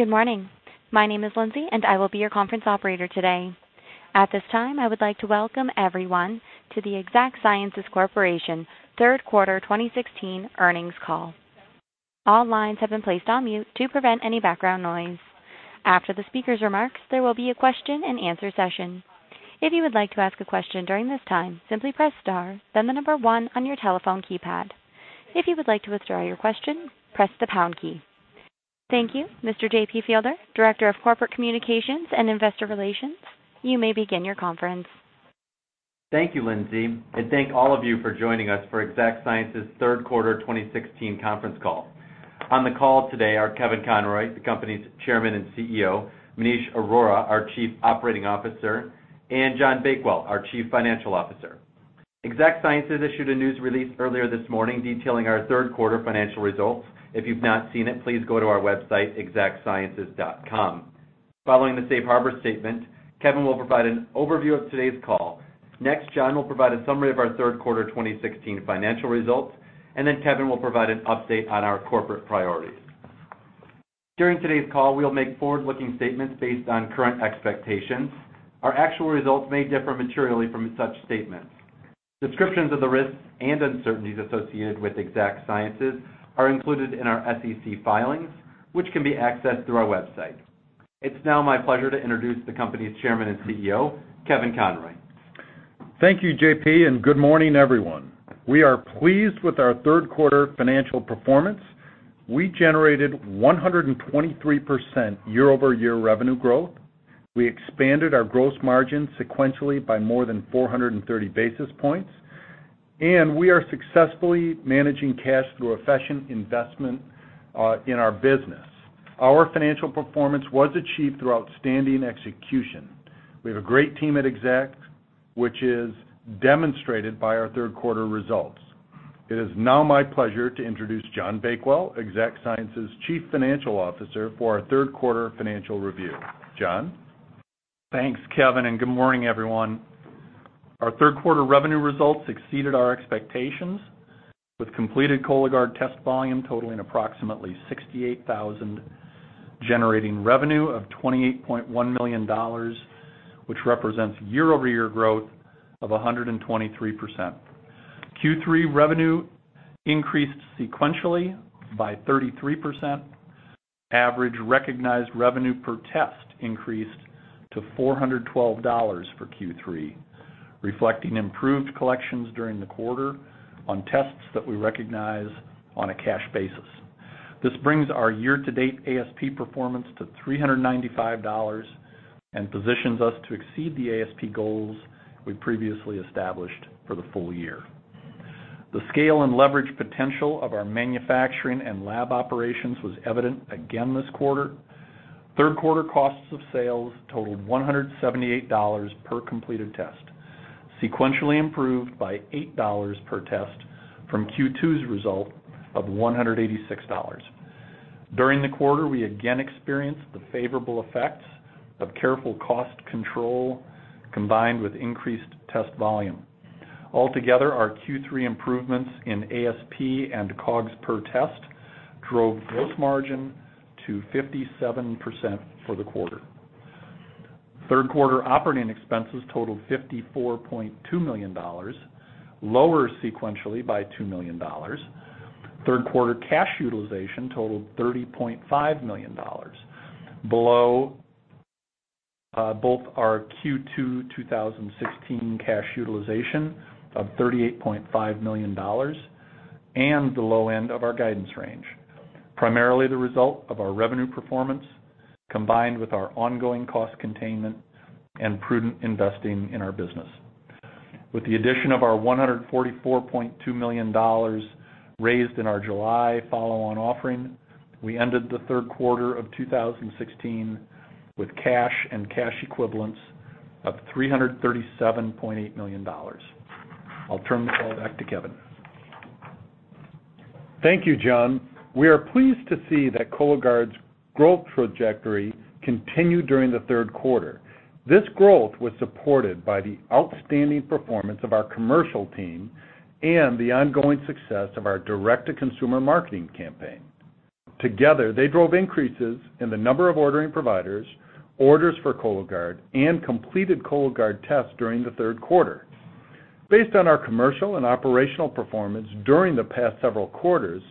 Good morning. My name is Lindsay, and I will be your conference operator today. At this time, I would like to welcome everyone to the Exact Sciences Corporation third quarter 2016 earnings call. All lines have been placed on mute to prevent any background noise. After the speaker's remarks, there will be a question-and-answer session. If you would like to ask a question during this time, simply press star, then the number one on your telephone keypad. If you would like to withdraw your question, press the pound key. Thank you. Mr. JP. Fielder, Director of Corporate Communications and Investor Relations, you may begin your conference. Thank you, Lindsay, and thank all of you for joining us for Exact Sciences third quarter 2016 conference call. On the call today are Kevin Conroy, the company's Chairman and CEO; Maneesh Arora, our Chief Operating Officer; and John Bakewell, our Chief Financial Officer. Exact Sciences issued a news release earlier this morning detailing our third quarter financial results. If you've not seen it, please go to our website, exactsciences.com. Following the safe harbor statement, Kevin will provide an overview of today's call. Next, John will provide a summary of our third quarter 2016 financial results, and then Kevin will provide an update on our corporate priorities. During today's call, we will make forward-looking statements based on current expectations. Our actual results may differ materially from such statements. Descriptions of the risks and uncertainties associated with Exact Sciences are included in our SEC filings, which can be accessed through our website. It's now my pleasure to introduce the company's Chairman and CEO, Kevin Conroy. Thank you, JP., and good morning, everyone. We are pleased with our third quarter financial performance. We generated 123% year-over-year revenue growth. We expanded our gross margin sequentially by more than 430 basis points, and we are successfully managing cash through a fashion investment in our business. Our financial performance was achieved through outstanding execution. We have a great team at Exact Sciences, which is demonstrated by our third quarter results. It is now my pleasure to introduce John Bakewell, Exact Sciences' Chief Financial Officer for our third quarter financial review. John? Thanks, Kevin, and good morning, everyone. Our third quarter revenue results exceeded our expectations, with completed Cologuard test volume totaling approximately 68,000, generating revenue of $28.1 million, which represents year-over-year growth of 123%. Q3 revenue increased sequentially by 33%. Average recognized revenue per test increased to $412 for Q3, reflecting improved collections during the quarter on tests that we recognize on a cash basis. This brings our year-to-date ASP performance to $395 and positions us to exceed the ASP goals we previously established for the full year. The scale and leverage potential of our manufacturing and lab operations was evident again this quarter. Third quarter costs of sales totaled $178 per completed test, sequentially improved by $8 per test from Q2's result of $186. During the quarter, we again experienced the favorable effects of careful cost control combined with increased test volume. Altogether, our Q3 improvements in ASP and COGS per test drove gross margin to 57% for the quarter. Third quarter operating expenses totaled $54.2 million, lower sequentially by $2 million. Third quarter cash utilization totaled $30.5 million, below both our Q2 2016 cash utilization of $38.5 million and the low end of our guidance range. Primarily, the result of our revenue performance combined with our ongoing cost containment and prudent investing in our business. With the addition of our $144.2 million raised in our July follow-on offering, we ended the third quarter of 2016 with cash and cash equivalents of $337.8 million. I'll turn the call back to Kevin. Thank you, John. We are pleased to see that Cologuard's growth trajectory continued during the third quarter. This growth was supported by the outstanding performance of our commercial team and the ongoing success of our direct-to-consumer marketing campaign. Together, they drove increases in the number of ordering providers, orders for Cologuard, and completed Cologuard tests during the third quarter. Based on our commercial and operational performance during the past several quarters,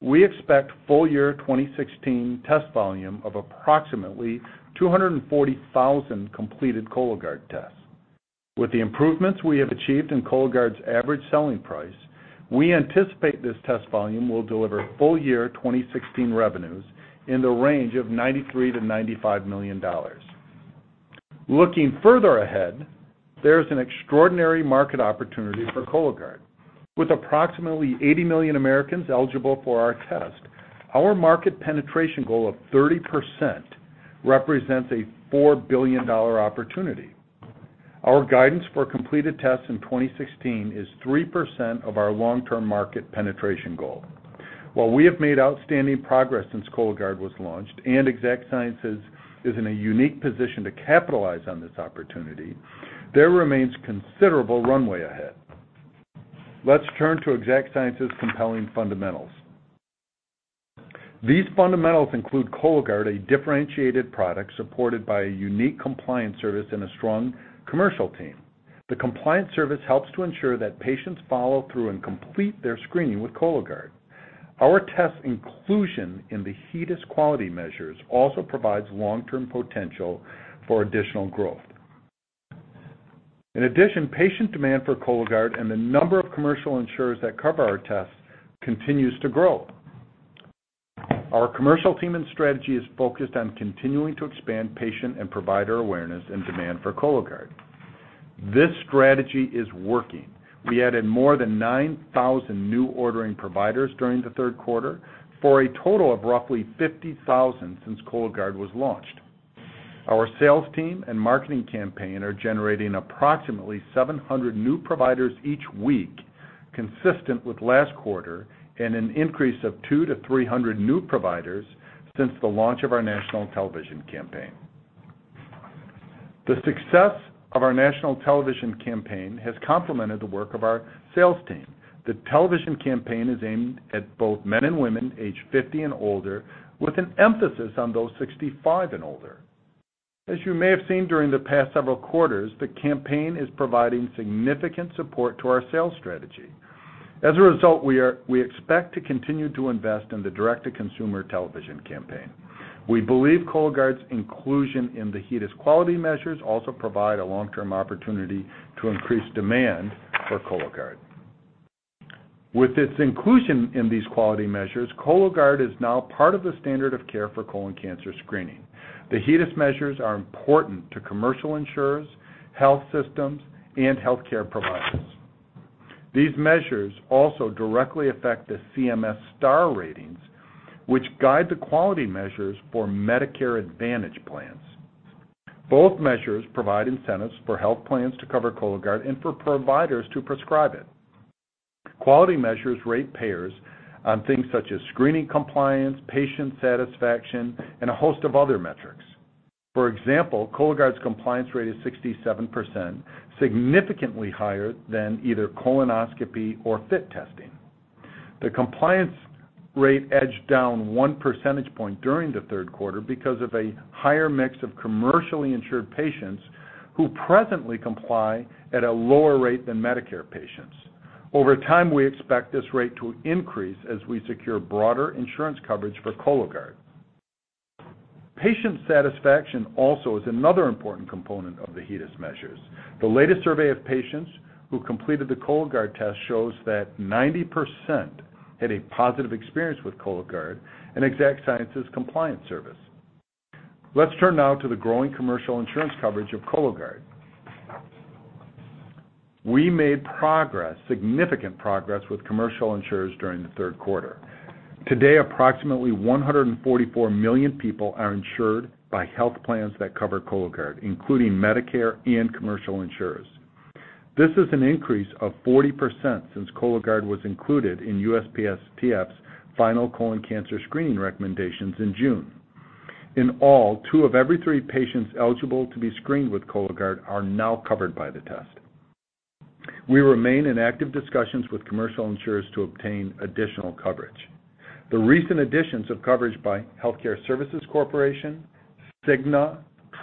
we expect full year 2016 test volume of approximately 240,000 completed Cologuard tests. With the improvements we have achieved in Cologuard's average selling price, we anticipate this test volume will deliver full year 2016 revenues in the range of $93-$95 million. Looking further ahead, there is an extraordinary market opportunity for Cologuard. With approximately 80 million Americans eligible for our test, our market penetration goal of 30% represents a $4 billion opportunity. Our guidance for completed tests in 2016 is 3% of our long-term market penetration goal. While we have made outstanding progress since Cologuard was launched and Exact Sciences is in a unique position to capitalize on this opportunity, there remains considerable runway ahead. Let's turn to Exact Sciences' compelling fundamentals. These fundamentals include Cologuard, a differentiated product supported by a unique compliance service and a strong commercial team. The compliance service helps to ensure that patients follow through and complete their screening with Cologuard. Our test inclusion in the HEDIS quality measures also provides long-term potential for additional growth. In addition, patient demand for Cologuard and the number of commercial insurers that cover our tests continues to grow. Our commercial team and strategy is focused on continuing to expand patient and provider awareness and demand for Cologuard. This strategy is working. We added more than 9,000 new ordering providers during the third quarter, for a total of roughly 50,000 since Cologuard was launched. Our sales team and marketing campaign are generating approximately 700 new providers each week, consistent with last quarter and an increase of 200-300 new providers since the launch of our national television campaign. The success of our national television campaign has complemented the work of our sales team. The television campaign is aimed at both men and women aged 50 and older, with an emphasis on those 65 and older. As you may have seen during the past several quarters, the campaign is providing significant support to our sales strategy. As a result, we expect to continue to invest in the direct-to-consumer television campaign. We believe Cologuard's inclusion in the HEDIS quality measures also provides a long-term opportunity to increase demand for Cologuard. With its inclusion in these quality measures, Cologuard is now part of the standard of care for colon cancer screening. The HEDIS measures are important to commercial insurers, health systems, and healthcare providers. These measures also directly affect the CMS STAR ratings, which guide the quality measures for Medicare Advantage plans. Both measures provide incentives for health plans to cover Cologuard and for providers to prescribe it. Quality measures rate payers on things such as screening compliance, patient satisfaction, and a host of other metrics. For example, Cologuard's compliance rate is 67%, significantly higher than either colonoscopy or FIT testing. The compliance rate edged down one percentage point during the third quarter because of a higher mix of commercially insured patients who presently comply at a lower rate than Medicare patients. Over time, we expect this rate to increase as we secure broader insurance coverage for Cologuard. Patient satisfaction also is another important component of the HEDIS measures. The latest survey of patients who completed the Cologuard test shows that 90% had a positive experience with Cologuard and Exact Sciences' compliance service. Let's turn now to the growing commercial insurance coverage of Cologuard. We made significant progress with commercial insurers during the third quarter. Today, approximately 144 million people are insured by health plans that cover Cologuard, including Medicare and commercial insurers. This is an increase of 40% since Cologuard was included in USPSTF's final colon cancer screening recommendations in June. In all, two of every three patients eligible to be screened with Cologuard are now covered by the test. We remain in active discussions with commercial insurers to obtain additional coverage. The recent additions of coverage by Healthcare Service Corporation, Cigna,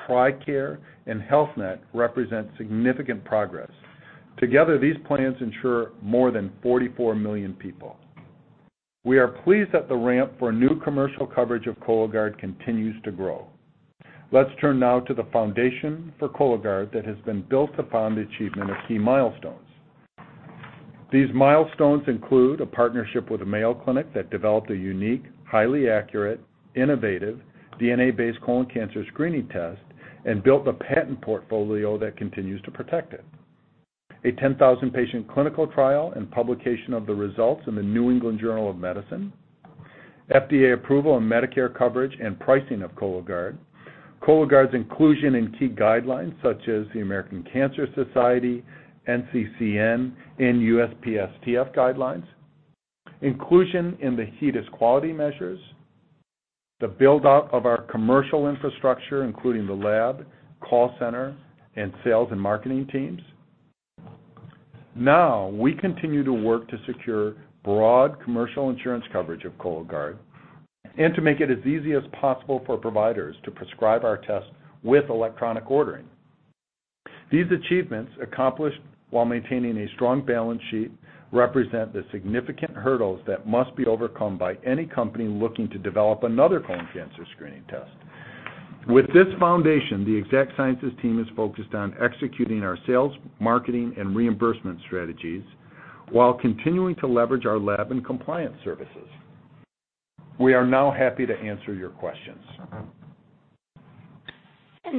TRICARE, and Health Net represent significant progress. Together, these plans insure more than 44 million people. We are pleased that the ramp for new commercial coverage of Cologuard continues to grow. Let's turn now to the foundation for Cologuard that has been built to fund achievement of key milestones. These milestones include a partnership with Mayo Clinic that developed a unique, highly accurate, innovative DNA-based colon cancer screening test and built a patent portfolio that continues to protect it, a 10,000-patient clinical trial and publication of the results in the New England Journal of Medicine, FDA approval and Medicare coverage and pricing of Cologuard, Cologuard's inclusion in key guidelines such as the American Cancer Society, NCCN, and USPSTF guidelines, inclusion in the HEDIS quality measures, the build-out of our commercial infrastructure, including the lab, call center, and sales and marketing teams. Now, we continue to work to secure broad commercial insurance coverage of Cologuard and to make it as easy as possible for providers to prescribe our tests with electronic ordering. These achievements, accomplished while maintaining a strong balance sheet, represent the significant hurdles that must be overcome by any company looking to develop another colon cancer screening test. With this foundation, the Exact Sciences team is focused on executing our sales, marketing, and reimbursement strategies while continuing to leverage our lab and compliance services. We are now happy to answer your questions.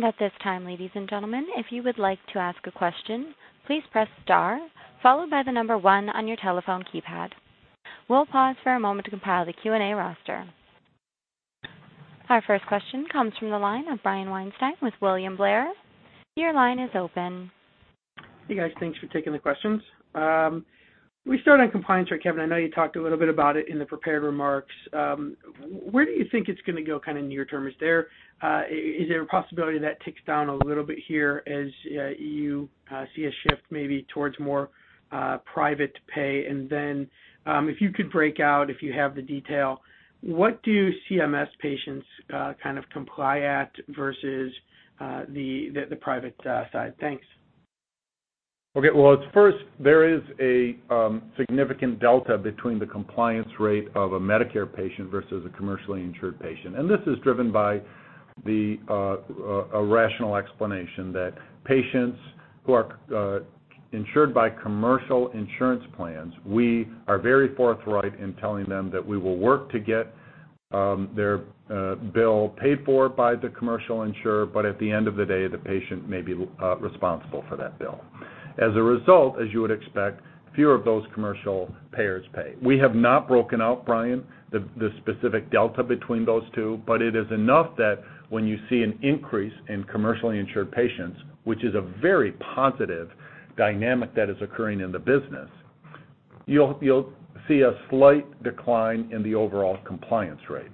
At this time, ladies and gentlemen, if you would like to ask a question, please press star followed by the number one on your telephone keypad. We'll pause for a moment to compile the Q&A roster. Our first question comes from the line of Brian Weinstein with William Blair. Your line is open. Hey, guys. Thanks for taking the questions. We started on compliance here, Kevin. I know you talked a little bit about it in the prepared remarks. Where do you think it's going to go kind of near term? Is there a possibility that it ticks down a little bit here as you see a shift maybe towards more private pay? If you could break out, if you have the detail, what do CMS patients kind of comply at versus the private side? Thanks. Okay. First, there is a significant delta between the compliance rate of a Medicare patient versus a commercially insured patient. This is driven by a rational explanation that patients who are insured by commercial insurance plans, we are very forthright in telling them that we will work to get their bill paid for by the commercial insurer. At the end of the day, the patient may be responsible for that bill. As a result, as you would expect, fewer of those commercial payers pay. We have not broken out, Brian, the specific delta between those two, but it is enough that when you see an increase in commercially insured patients, which is a very positive dynamic that is occurring in the business, you'll see a slight decline in the overall compliance rate.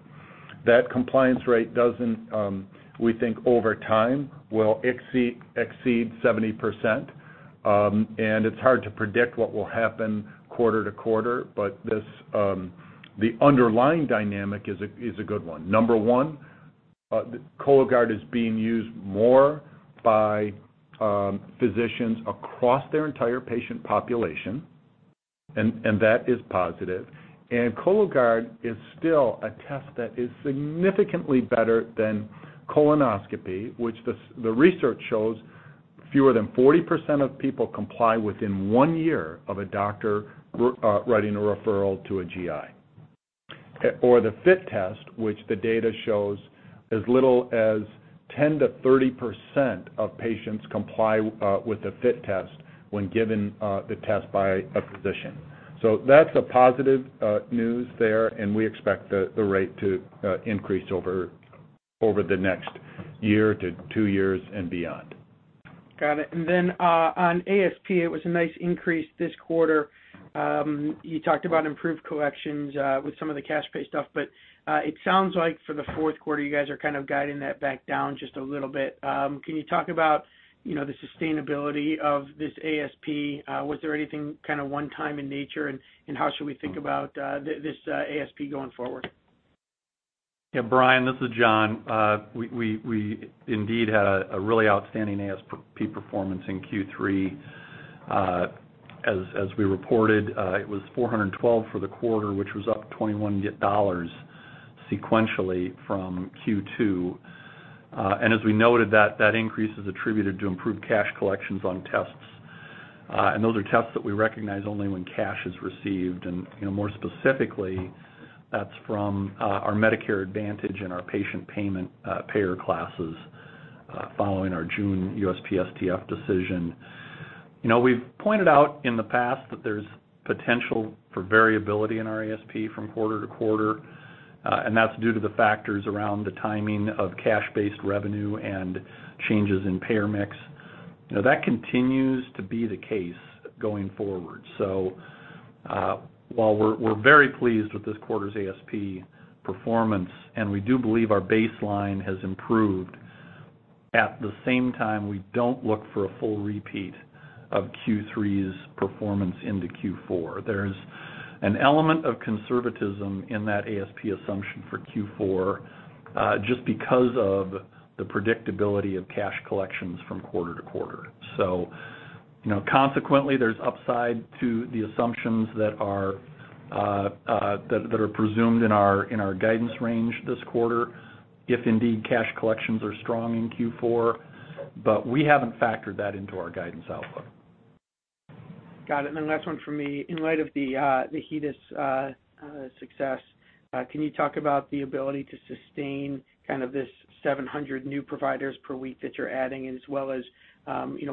That compliance rate does not, we think, over time will exceed 70%. It is hard to predict what will happen quarter to quarter, but the underlying dynamic is a good one. Number one, Cologuard is being used more by physicians across their entire patient population, and that is positive. Cologuard is still a test that is significantly better than colonoscopy, which the research shows fewer than 40% of people comply within one year of a doctor writing a referral to a GI, or the FIT test, which the data shows as little as 10-30% of patients comply with the FIT test when given the test by a physician. That is positive news there, and we expect the rate to increase over the next year to two years and beyond. Got it. And then on ASP, it was a nice increase this quarter. You talked about improved collections with some of the cash pay stuff, but it sounds like for the fourth quarter, you guys are kind of guiding that back down just a little bit. Can you talk about the sustainability of this ASP? Was there anything kind of one-time in nature, and how should we think about this ASP going forward? Yeah, Brian, this is John. We indeed had a really outstanding ASP performance in Q3. As we reported, it was $412 for the quarter, which was up $21 sequentially from Q2. As we noted, that increase is attributed to improved cash collections on tests. Those are tests that we recognize only when cash is received. More specifically, that is from our Medicare Advantage and our patient payment payer classes following our June USPSTF decision. We have pointed out in the past that there is potential for variability in our ASP from quarter to quarter, and that is due to the factors around the timing of cash-based revenue and changes in payer mix. That continues to be the case going forward. While we're very pleased with this quarter's ASP performance, and we do believe our baseline has improved, at the same time, we don't look for a full repeat of Q3's performance into Q4. There's an element of conservatism in that ASP assumption for Q4 just because of the predictability of cash collections from quarter to quarter. Consequently, there's upside to the assumptions that are presumed in our guidance range this quarter if indeed cash collections are strong in Q4, but we haven't factored that into our guidance outlook. Got it. Last one for me. In light of the HEDIS success, can you talk about the ability to sustain kind of this 700 new providers per week that you're adding, as well as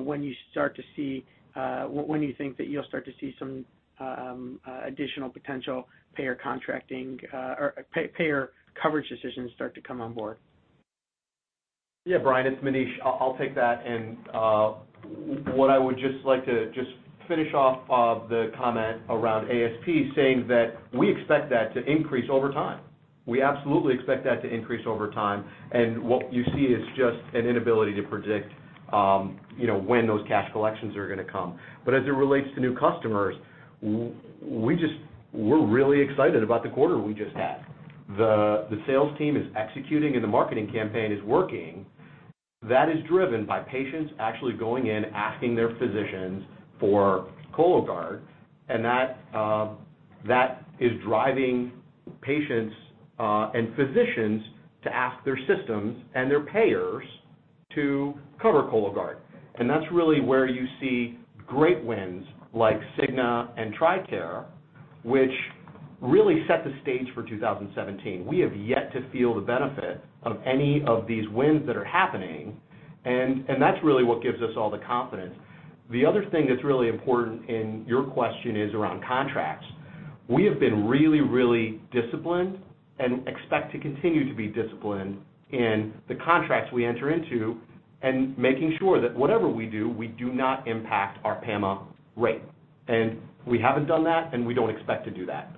when you start to see when you think that you'll start to see some additional potential payer contracting or payer coverage decisions start to come on board? Yeah, Brian, it's Maneesh. I'll take that. What I would just like to just finish off the comment around ASP saying that we expect that to increase over time. We absolutely expect that to increase over time. What you see is just an inability to predict when those cash collections are going to come. As it relates to new customers, we're really excited about the quarter we just had. The sales team is executing, and the marketing campaign is working. That is driven by patients actually going in, asking their physicians for Cologuard, and that is driving patients and physicians to ask their systems and their payers to cover Cologuard. That's really where you see great wins like Cigna and TRICARE, which really set the stage for 2017. We have yet to feel the benefit of any of these wins that are happening, and that's really what gives us all the confidence. The other thing that's really important in your question is around contracts. We have been really, really disciplined and expect to continue to be disciplined in the contracts we enter into and making sure that whatever we do, we do not impact our PAMA rate. We haven't done that, and we don't expect to do that.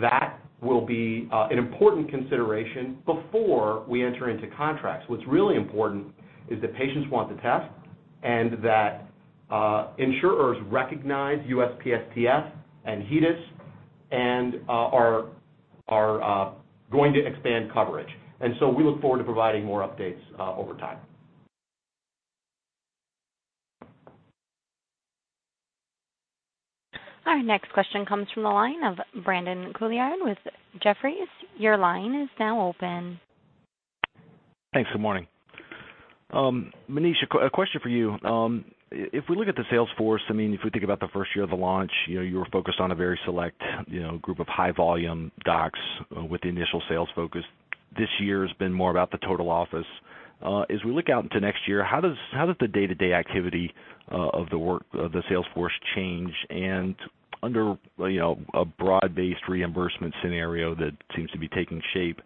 That will be an important consideration before we enter into contracts. What's really important is that patients want the test and that insurers recognize USPSTF and HEDIS and are going to expand coverage. We look forward to providing more updates over time. Our next question comes from the line of Brandon Couillard with Jefferies. Your line is now open. Thanks. Good morning. Maneesh, a question for you. If we look at the Salesforce, I mean, if we think about the first year of the launch, you were focused on a very select group of high-volume docs with initial sales focus. This year has been more about the total office. As we look out into next year, how does the day-to-day activity of the work of the Salesforce change? Under a broad-based reimbursement scenario that seems to be taking shape,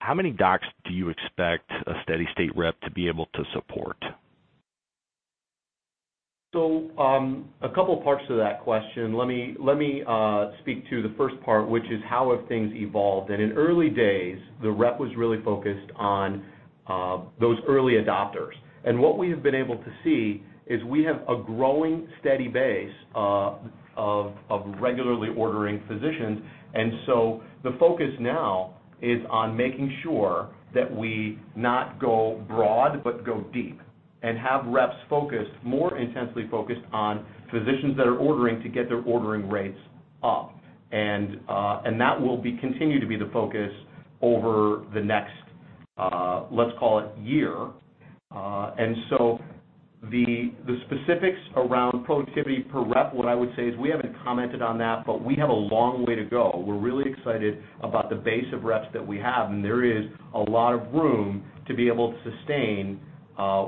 how many docs do you expect a steady-state rep to be able to support? A couple of parts to that question. Let me speak to the first part, which is how have things evolved. In early days, the rep was really focused on those early adopters. What we have been able to see is we have a growing steady base of regularly ordering physicians. The focus now is on making sure that we not go broad but go deep and have reps more intensely focused on physicians that are ordering to get their ordering rates up. That will continue to be the focus over the next, let's call it, year. The specifics around productivity per rep, what I would say is we haven't commented on that, but we have a long way to go. We're really excited about the base of reps that we have, and there is a lot of room to be able to sustain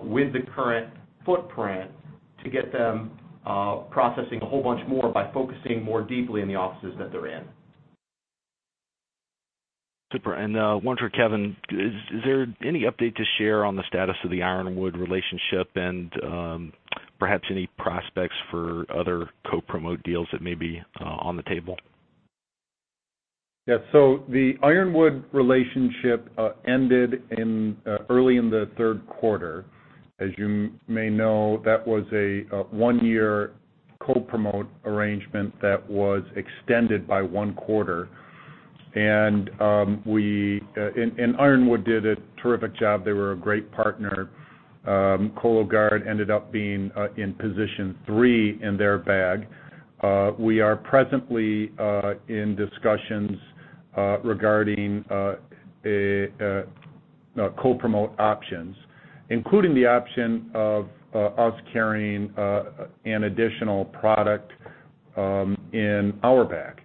with the current footprint to get them processing a whole bunch more by focusing more deeply in the offices that they're in. Super. One for Kevin, is there any update to share on the status of the Ironwood relationship and perhaps any prospects for other co-promote deals that may be on the table? Yeah. The Ironwood relationship ended early in the third quarter. As you may know, that was a one-year co-promote arrangement that was extended by one quarter. Ironwood did a terrific job. They were a great partner. Cologuard ended up being in position three in their bag. We are presently in discussions regarding co-promote options, including the option of us carrying an additional product in our bag.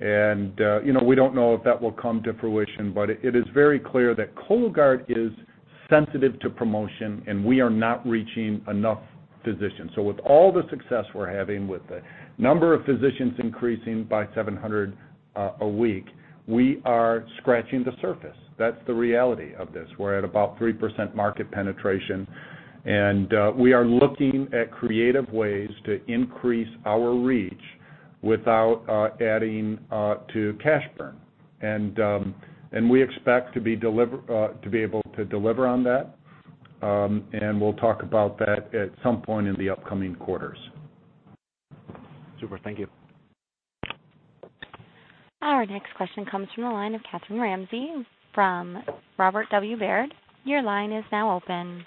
We do not know if that will come to fruition, but it is very clear that Cologuard is sensitive to promotion, and we are not reaching enough physicians. With all the success we are having with the number of physicians increasing by 700 a week, we are scratching the surface. That is the reality of this. We are at about 3% market penetration, and we are looking at creative ways to increase our reach without adding to cash burn. We expect to be able to deliver on that, and we'll talk about that at some point in the upcoming quarters. Super. Thank you. Our next question comes from the line of Catherine Ramsey from Robert W. Baird. Your line is now open.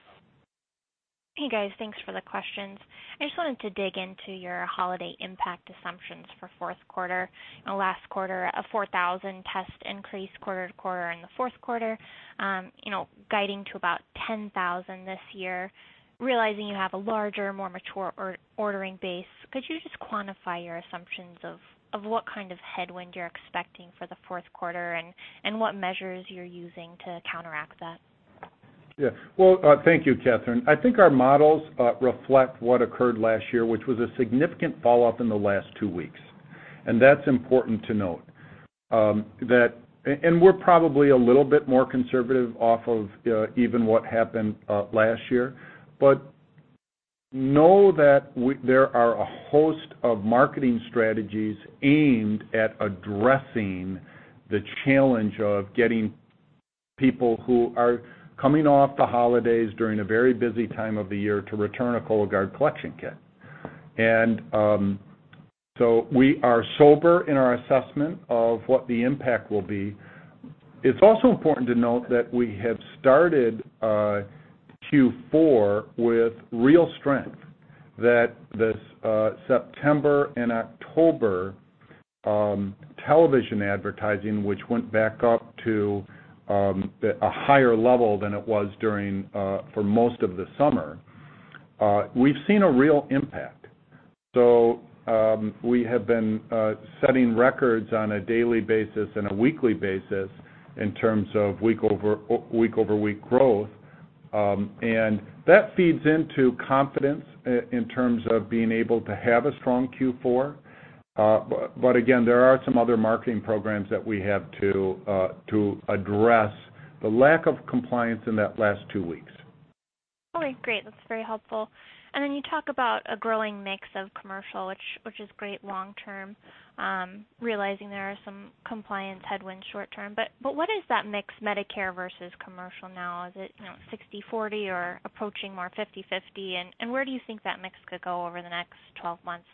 Hey, guys. Thanks for the questions. I just wanted to dig into your holiday impact assumptions for fourth quarter. Last quarter, a 4,000 test increase quarter to quarter in the fourth quarter, guiding to about 10,000 this year. Realizing you have a larger, more mature ordering base, could you just quantify your assumptions of what kind of headwind you're expecting for the fourth quarter and what measures you're using to counteract that? Yeah. Well, thank you, Catherine. I think our models reflect what occurred last year, which was a significant falloff in the last two weeks. And that's important to note. And we're probably a little bit more conservative off of even what happened last year, but know that there are a host of marketing strategies aimed at addressing the challenge of getting people who are coming off the holidays during a very busy time of the year to return a Cologuard collection kit. And so we are sober in our assessment of what the impact will be. It's also important to note that we have started Q4 with real strength, that this September and October television advertising, which went back up to a higher level than it was for most of the summer, we've seen a real impact. So we have been setting records on a daily basis and a weekly basis in terms of week-over-week growth. And that feeds into confidence in terms of being able to have a strong Q4. But again, there are some other marketing programs that we have to address the lack of compliance in that last two weeks. All right. Great. That's very helpful. Then you talk about a growing mix of commercial, which is great long-term, realizing there are some compliance headwinds short-term. What is that mix, Medicare versus commercial now? Is it 60/40 or approaching more 50/50? Where do you think that mix could go over the next 12 months?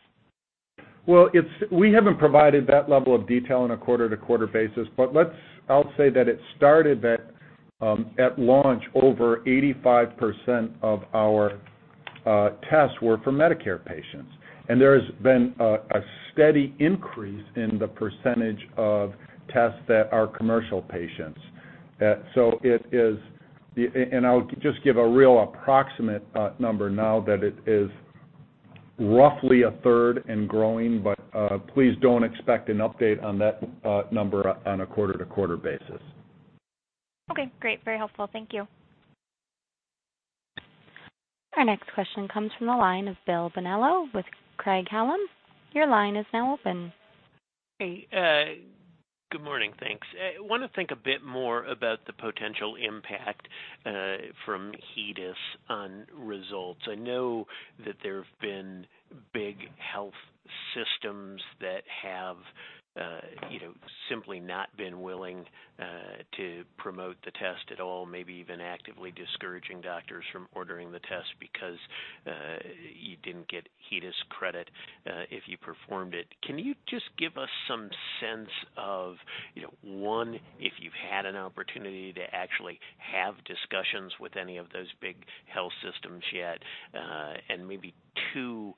We haven't provided that level of detail on a quarter-to-quarter basis, but I'll say that it started at launch over 85% of our tests were for Medicare patients. There has been a steady increase in the percentage of tests that are commercial patients. I'll just give a real approximate number now that it is roughly a third and growing, but please don't expect an update on that number on a quarter-to-quarter basis. Okay. Great. Very helpful. Thank you. Our next question comes from the line of Bill Bonello with Craig-Hallum. Your line is now open. Hey. Good morning. Thanks. I want to think a bit more about the potential impact from HEDIS on results. I know that there have been big health systems that have simply not been willing to promote the test at all, maybe even actively discouraging doctors from ordering the test because you didn't get HEDIS credit if you performed it. Can you just give us some sense of, one, if you've had an opportunity to actually have discussions with any of those big health systems yet? And maybe, two,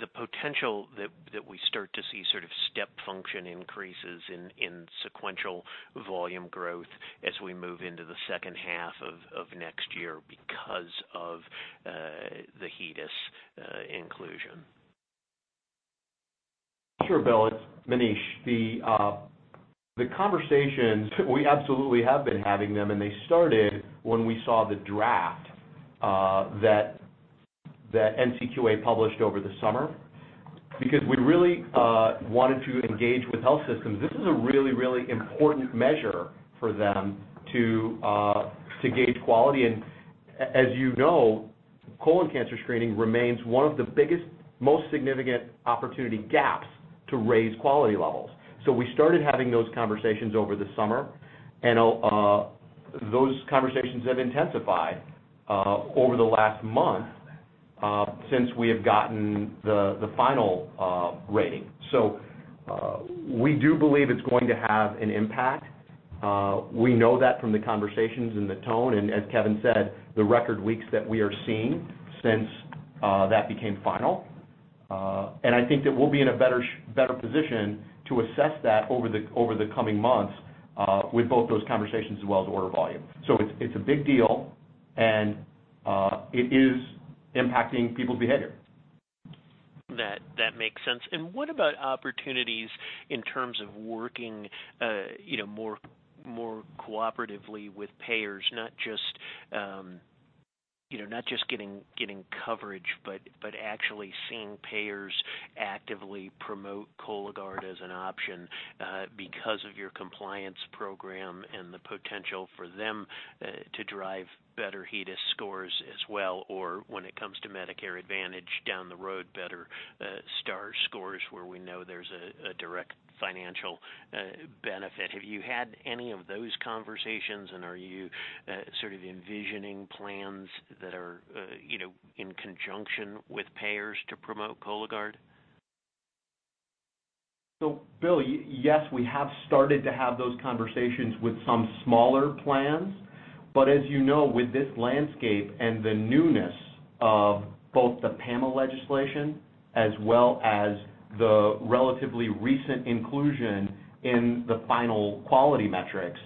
the potential that we start to see sort of step function increases in sequential volume growth as we move into the second half of next year because of the HEDIS inclusion. Sure, Bill. It's Maneesh. The conversations, we absolutely have been having them, and they started when we saw the draft that NCQA published over the summer because we really wanted to engage with health systems. This is a really, really important measure for them to gauge quality. And as you know, colon cancer screening remains one of the biggest, most significant opportunity gaps to raise quality levels. So we started having those conversations over the summer, and those conversations have intensified over the last month since we have gotten the final rating. So we do believe it's going to have an impact. We know that from the conversations and the tone. And as Kevin said, the record weeks that we are seeing since that became final. And I think that we'll be in a better position to assess that over the coming months with both those conversations as well as order volume. So it's a big deal, and it is impacting people's behavior. That makes sense. And what about opportunities in terms of working more cooperatively with payers, not just getting coverage but actually seeing payers actively promote Cologuard as an option because of your compliance program and the potential for them to drive better HEDIS scores as well? Or when it comes to Medicare Advantage down the road, better STAR scores where we know there's a direct financial benefit. Have you had any of those conversations, and are you sort of envisioning plans that are in conjunction with payers to promote Cologuard? So Bill, yes, we have started to have those conversations with some smaller plans. But as you know, with this landscape and the newness of both the PAMA legislation as well as the relatively recent inclusion in the final quality metrics,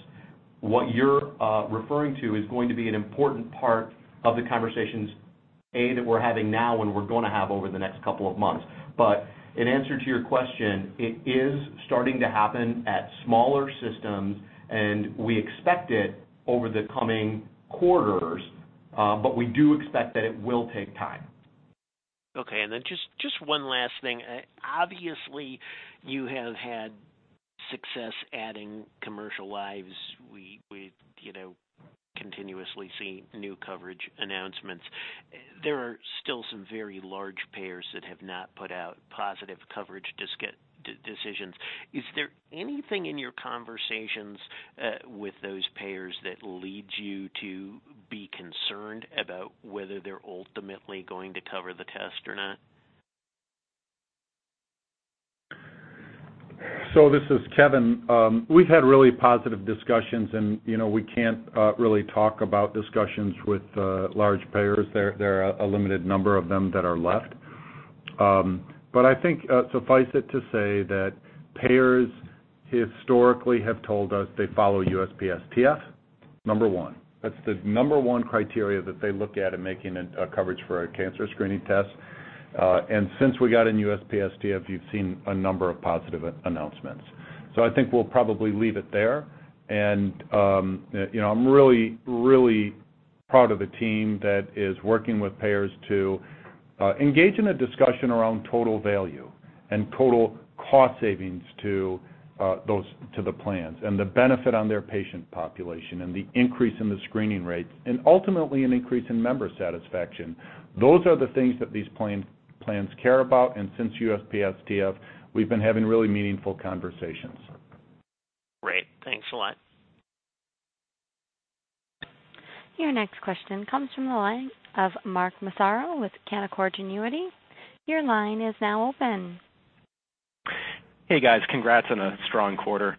what you're referring to is going to be an important part of the conversations, A, that we're having now and we're going to have over the next couple of months. But in answer to your question, it is starting to happen at smaller systems, and we expect it over the coming quarters, but we do expect that it will take time. Okay. And then just one last thing. Obviously, you have had success adding commercial lives. We continuously see new coverage announcements. There are still some very large payers that have not put out positive coverage decisions. Is there anything in your conversations with those payers that leads you to be concerned about whether they're ultimately going to cover the test or not? So this is Kevin. We've had really positive discussions, and we can't really talk about discussions with large payers. There are a limited number of them that are left. But I think suffice it to say that payers historically have told us they follow USPSTF, number one. That's the number one criteria that they look at in making a coverage for a cancer screening test. And since we got in USPSTF, you've seen a number of positive announcements. So I think we'll probably leave it there. And I'm really, really proud of the team that is working with payers to engage in a discussion around total value and total cost savings to the plans and the benefit on their patient population and the increase in the screening rates and ultimately an increase in member satisfaction. Those are the things that these plans care about. And since USPSTF, we've been having really meaningful conversations. Great. Thanks a lot. Your next question comes from the line of Mark Massaro with Canaccord Genuity. Your line is now open. Hey, guys. Congrats on a strong quarter.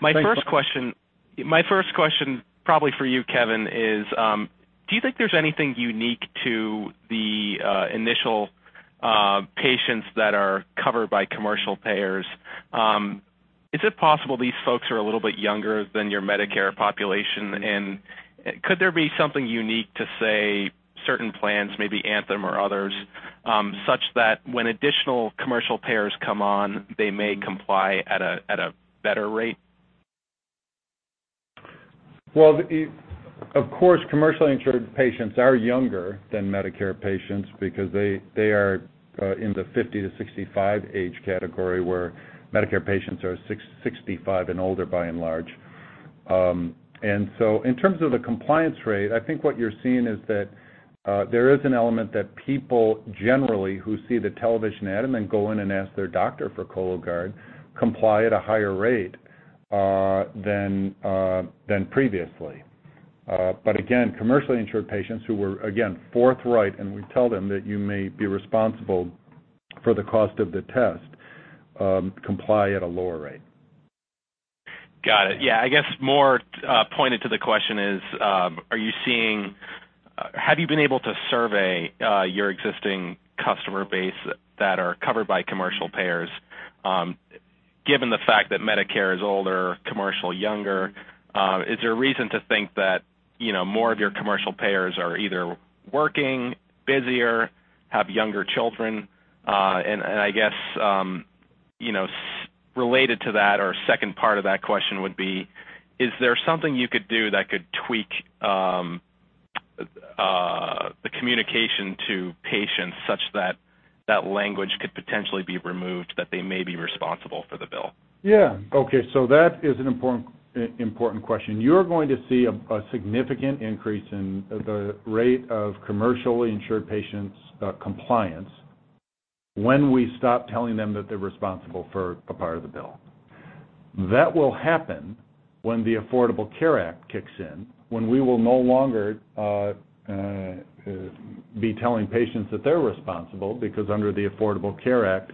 My first question, my first question probably for you, Kevin, is do you think there's anything unique to the initial patients that are covered by commercial payers? Is it possible these folks are a little bit younger than your Medicare population? And could there be something unique to say certain plans, maybe Anthem or others, such that when additional commercial payers come on, they may comply at a better rate? Well, of course, commercially insured patients are younger than Medicare patients because they are in the 50 to 65 age category where Medicare patients are 65 and older by and large. And so in terms of the compliance rate, I think what you're seeing is that there is an element that people generally who see the television ad and then go in and ask their doctor for Cologuard comply at a higher rate than previously. But again, commercially insured patients who were, again, forthright, and we tell them that you may be responsible for the cost of the test, comply at a lower rate. Got it. Yeah. I guess more pointed to the question is, have you been able to survey your existing customer base that are covered by commercial payers? Given the fact that Medicare is older, commercial younger, is there a reason to think that more of your commercial payers are either working, busier, have younger children? And I guess related to that, or second part of that question would be, is there something you could do that could tweak the communication to patients such that that language could potentially be removed, that they may be responsible for the bill? Yeah. Okay. So that is an important question. You're going to see a significant increase in the rate of commercially insured patients' compliance when we stop telling them that they're responsible for a part of the bill. That will happen when the Affordable Care Act kicks in, when we will no longer be telling patients that they're responsible because under the Affordable Care Act,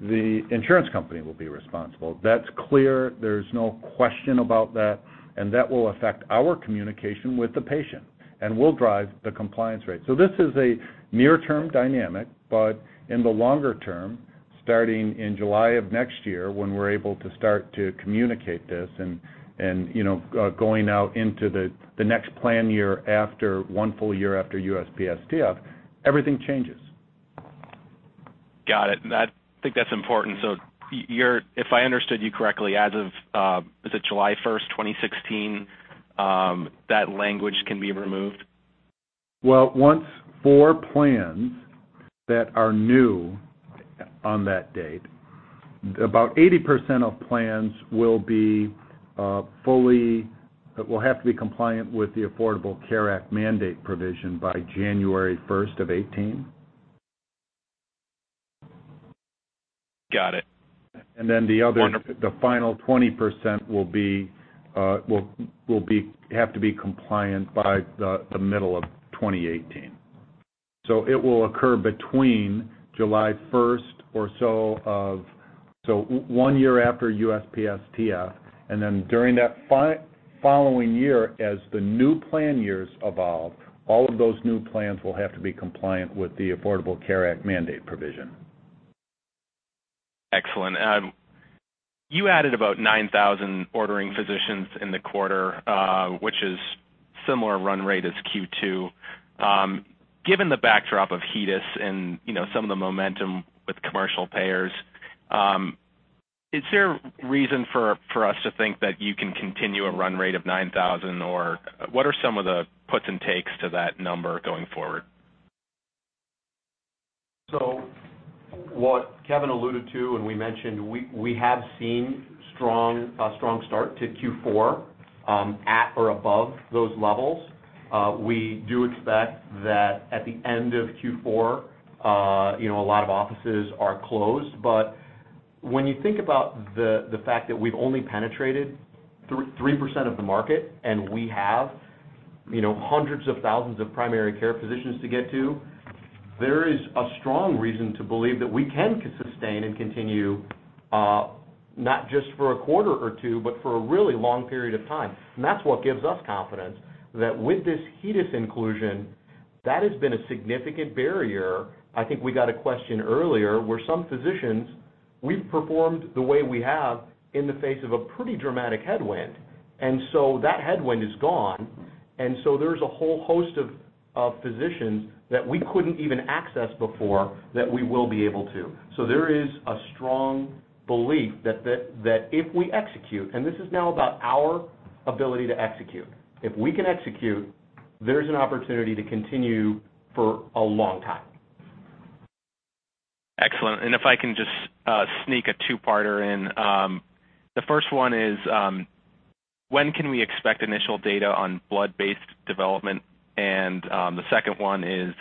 the insurance company will be responsible. That's clear. There's no question about that. And that will affect our communication with the patient and will drive the compliance rate. So this is a near-term dynamic, but in the longer term, starting in July of next year when we're able to start to communicate this and going out into the next plan year after one full year after USPSTF, everything changes. Got it. I think that's important. So if I understood you correctly, as of July 1st, 2016, that language can be removed? Well, for plans that are new on that date, about 80% of plans will have to be compliant with the Affordable Care Act mandate provision by January 1st of '18. Got it. The final 20% will have to be compliant by the middle of 2018. It will occur between July 1 or so of one year after USPSTF, and then during that following year, as the new plan years evolve, all of those new plans will have to be compliant with the Affordable Care Act mandate provision. Excellent. You added about 9,000 ordering physicians in the quarter, which is a similar run rate as Q2. Given the backdrop of HEDIS and some of the momentum with commercial payers, is there a reason for us to think that you can continue a run rate of 9,000? Or what are some of the puts and takes to that number going forward? What Kevin alluded to, and we mentioned, we have seen a strong start to Q4 at or above those levels. We do expect that at the end of Q4, a lot of offices are closed. When you think about the fact that we've only penetrated 3% of the market and we have hundreds of thousands of primary care physicians to get to, there is a strong reason to believe that we can sustain and continue not just for a quarter or two, but for a really long period of time. That is what gives us confidence that with this HEDIS inclusion, that has been a significant barrier. I think we got a question earlier where some physicians, we've performed the way we have in the face of a pretty dramatic headwind. That headwind is gone. There is a whole host of physicians that we could not even access before that we will be able to. There is a strong belief that if we execute, and this is now about our ability to execute, if we can execute, there is an opportunity to continue for a long time. Excellent. And if I can just sneak a two-parter in, the first one is when can we expect initial data on blood-based development? And the second one is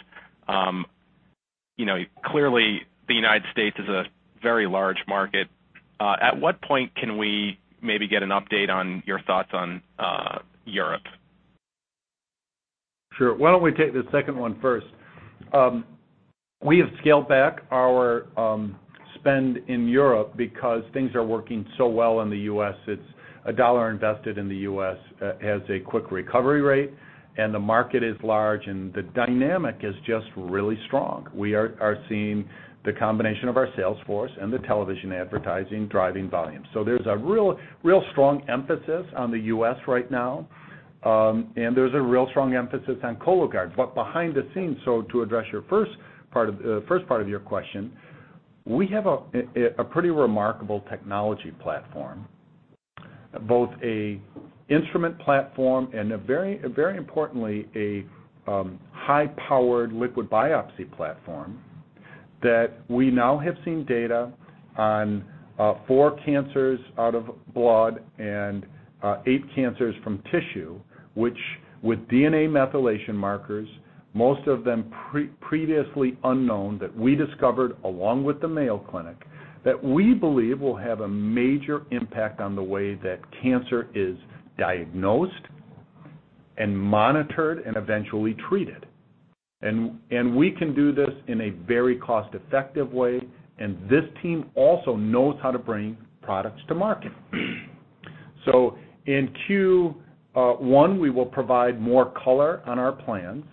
clearly the United States is a very large market. At what point can we maybe get an update on your thoughts on Europe? Sure. Why don't we take the second one first? We have scaled back our spend in Europe because things are working so well in the US. It's a dollar invested in the US has a quick recovery rate, and the market is large, and the dynamic is just really strong. We are seeing the combination of our Salesforce and the television advertising driving volume. So there's a real strong emphasis on the US right now, and there's a real strong emphasis on Cologuard. But behind the scenes, so to address your first part of your question, we have a pretty remarkable technology platform, both an instrument platform and, very importantly, a high-powered liquid biopsy platform that we now have seen data on four cancers out of blood and eight cancers from tissue, which with DNA methylation markers, most of them previously unknown, that we discovered along with the Mayo Clinic, that we believe will have a major impact on the way that cancer is diagnosed and monitored and eventually treated. And we can do this in a very cost-effective way. And this team also knows how to bring products to market. So in Q1, we will provide more color on our plans,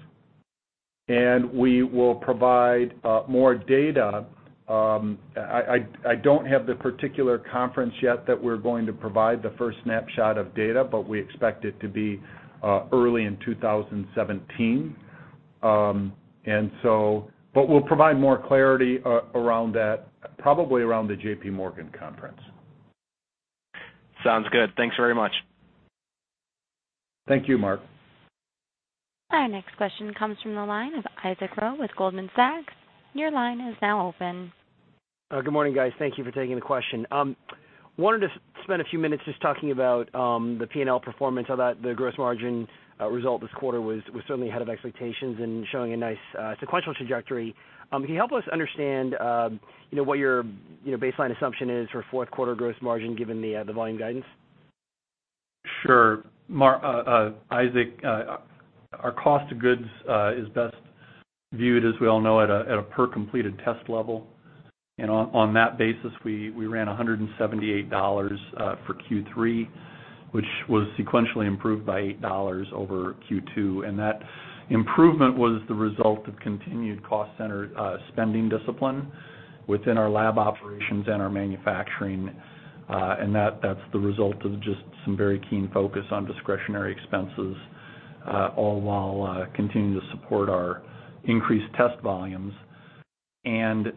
and we will provide more data. I don't have the particular conference yet that we're going to provide the first snapshot of data, but we expect it to be early in 2017. But we'll provide more clarity around that, probably around the JPMorgan conference. Sounds good. Thanks very much. Thank you, Mark. Our next question comes from the line of Isaac Wong with Goldman Sachs. Your line is now open. Good morning, guys. Thank you for taking the question. Wanted to spend a few minutes just talking about the P&L performance. I thought the gross margin result this quarter was certainly ahead of expectations and showing a nice sequential trajectory. Can you help us understand what your baseline assumption is for fourth quarter gross margin given the volume guidance? Sure. Isaac, our cost of goods is best viewed, as we all know, at a per-completed test level. And on that basis, we ran $178 for Q3, which was sequentially improved by $8 over Q2. And that improvement was the result of continued cost-centered spending discipline within our lab operations and our manufacturing. And that's the result of just some very keen focus on discretionary expenses, all while continuing to support our increased test volumes. And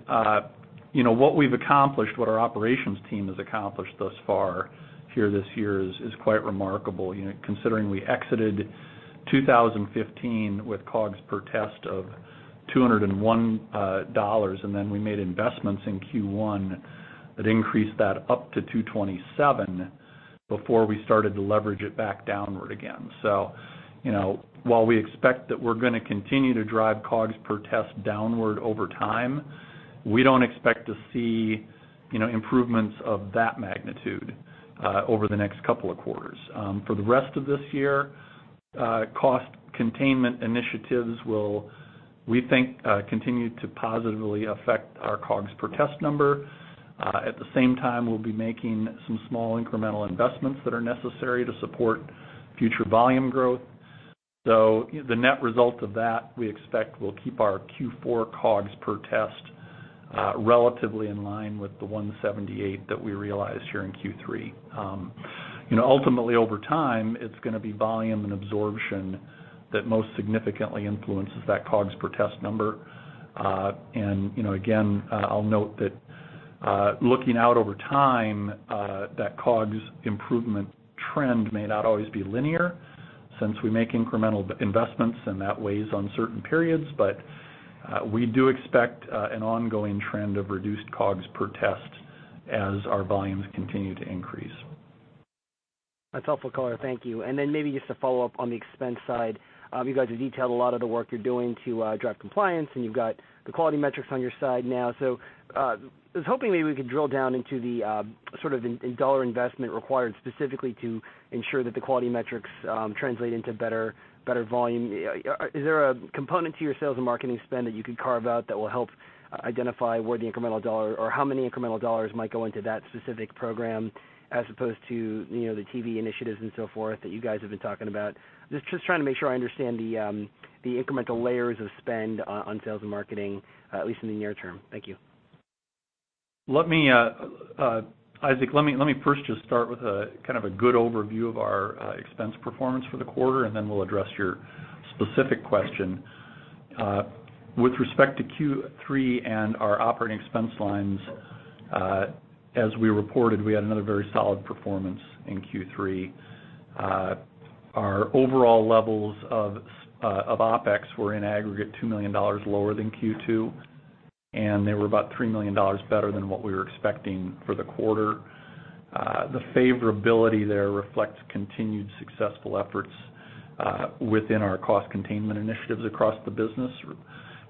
what we've accomplished, what our operations team has accomplished thus far here this year is quite remarkable. Considering we exited 2015 with Cogs per test of $201, and then we made investments in Q1 that increased that up to $227 before we started to leverage it back downward again. So while we expect that we're going to continue to drive Cogs per test downward over time, we don't expect to see improvements of that magnitude over the next couple of quarters. For the rest of this year, cost containment initiatives will, we think, continue to positively affect our Cogs per test number. At the same time, we'll be making some small incremental investments that are necessary to support future volume growth. So the net result of that, we expect will keep our Q4 Cogs per test relatively in line with the $178 that we realized here in Q3. Ultimately, over time, it's going to be volume and absorption that most significantly influences that Cogs per test number. And again, I'll note that looking out over time, that Cogs improvement trend may not always be linear since we make incremental investments, and that weighs on certain periods. But we do expect an ongoing trend of reduced Cogs per test as our volumes continue to increase. That's helpful, Color. Thank you. And then maybe just to follow up on the expense side, you guys have detailed a lot of the work you're doing to drive compliance, and you've got the quality metrics on your side now. So I was hoping maybe we could drill down into the sort of dollar investment required specifically to ensure that the quality metrics translate into better volume. Is there a component to your sales and marketing spend that you could carve out that will help identify where the incremental dollar or how many incremental dollars might go into that specific program as opposed to the TV initiatives and so forth that you guys have been talking about? Just trying to make sure I understand the incremental layers of spend on sales and marketing, at least in the near term. Thank you. Isaac, let me first just start with kind of a good overview of our expense performance for the quarter, and then we'll address your specific question. With respect to Q3 and our operating expense lines, as we reported, we had another very solid performance in Q3. Our overall levels of OpEx were, in aggregate, $2 million lower than Q2, and they were about $3 million better than what we were expecting for the quarter. The favorability there reflects continued successful efforts within our cost containment initiatives across the business,